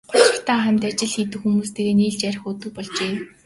Гутрахдаа хамт ажил хийдэг хүмүүстэйгээ нийлж архи уудаг болжээ.